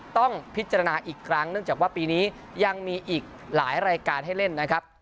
ต้องพิจารณาอีกครั้งเนื่องจากว่าปีนี้ยังมีอีกหลายรายการให้เล่นนะครับ